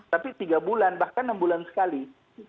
tapi tiga bulan bahkan enam bulan sekali